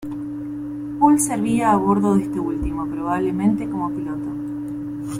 Poole servía a bordo de este último, probablemente como piloto.